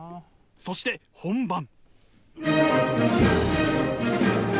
そして本番。